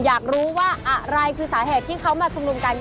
อยากรู้ว่าอะไรคือสาเหตุที่เขามาชุมนุมกัน